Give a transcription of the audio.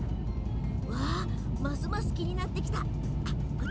ますます気になってきたよ！